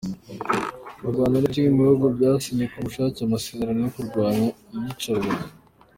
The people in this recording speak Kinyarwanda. U Rwanda ni kimwe mu bihugu byasinye ku bushake amasezerano yo kurwanya iyicarubozo.